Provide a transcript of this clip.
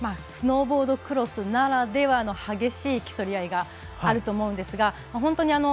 スノーボードクロスならではの激しい競い合いがあると思うんです。